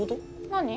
何？